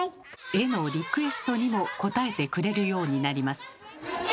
絵のリクエストにも応えてくれるようになります。